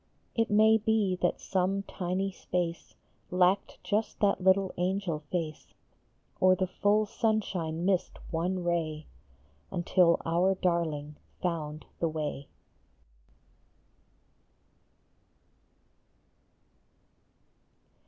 It may be that some tiny space Lacked just that little angel face, Or the full sunshine missed one ray Until our darling found the way.